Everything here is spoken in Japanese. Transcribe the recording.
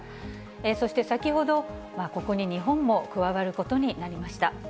そして、先ほど、ここに日本も加わることになりました。